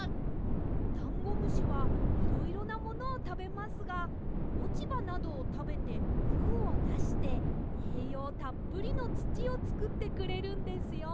ダンゴムシはいろいろなものをたべますがおちばなどをたべてふんをだしてえいようたっぷりのつちをつくってくれるんですよ。